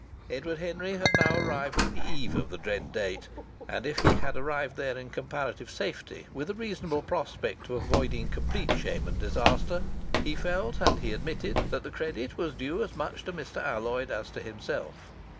Edward Henry had now arrived at the eve of the dread date, and if he had arrived there in comparative safety, with a reasonable prospect of avoiding complete shame and disaster, he felt and he admitted that the credit was due as much to Mr. Alloyd as to himself.